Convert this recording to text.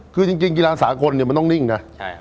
คือจริงกิลาสากลมันต้องดิ้งนะ